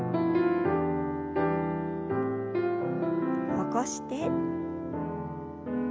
起こして。